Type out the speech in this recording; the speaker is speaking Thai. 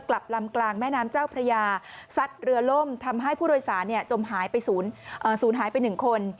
กลับลำกลางแม่น้ำเจ้าพระยาซัดเรือล่มทำให้ผู้โดยสารจมหายไปศูนย์หายไป๑คน